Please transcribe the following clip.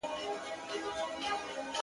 • زيرى د ژوند.